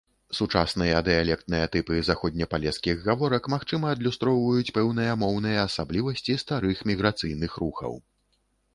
Сучасныя дыялектныя тыпы заходнепалескіх гаворак, магчыма, адлюстроўваюць пэўныя моўныя асаблівасці старых міграцыйных рухаў.